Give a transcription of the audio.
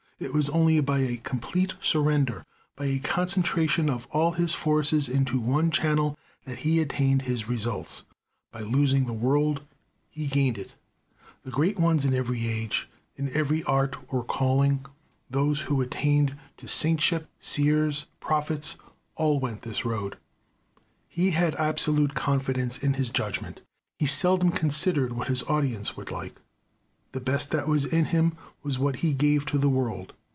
It was only by a complete surrender, by a concentration of all his forces into one channel, that he attained his results. By losing the world, he gained it. The great ones in every age, in every art or calling, those who attained to saintship, seers, prophets, all went this road. He had absolute confidence in his judgment. He seldom considered what his audience would like. The best that was in him was what he gave to the world.